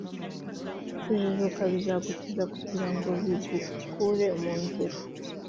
kujijuka kuzagukiza, kugira ngo bigukure mu nzira